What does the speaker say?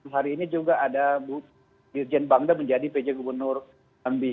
hari ini juga ada dirjen bangda menjadi pj gubernur jambi